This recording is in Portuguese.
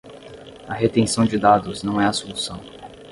A retenção de dados não é a solução!